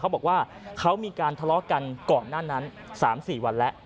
เขาบอกว่าเขามีการทะเลาะกันก่อนหน้านั้น๓๔วันแล้ว